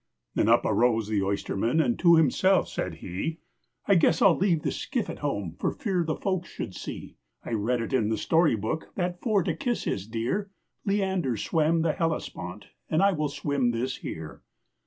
Then up arose the oysterman, and to himself said he, "I guess I 'll leave the skiff at home, for fear that folks should see I read it in the story book, that, for to kiss his dear, Leander swam the Hellespont, and I will swim this here."